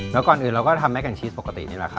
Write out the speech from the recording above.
แล้วก่อนอื่นเราก็ทำแม่กันชีสปกตินี่แหละครับ